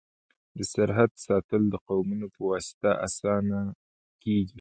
د سرحد ساتل د قومونو په واسطه اسانه کيږي.